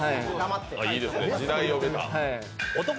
いいですね、時代を見て。